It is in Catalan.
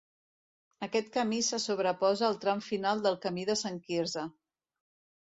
Aquest camí se sobreposa al tram final del Camí de Sant Quirze.